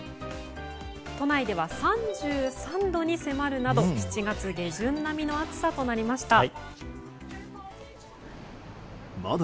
都内では３３度に迫るなど７月下旬並みの暑さとなりました。